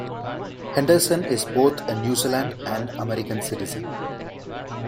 Henderson is both a New Zealand and American citizen.